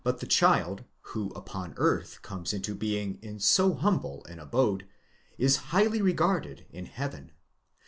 157 earth comes into being in so humble an abode, is highly regarded in heaven.